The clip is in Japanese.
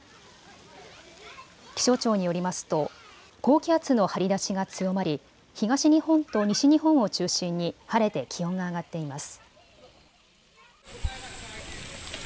気象庁によりますと高気圧の張り出しが強まり東日本と西日本を中心に晴れて気温が上がっています。